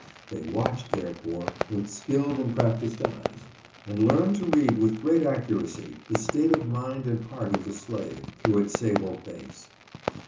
They watched, therefore, with skilled and practiced eyes, and learned to read, with great accu racy, the state of mind and heart of the slave, through his sable face.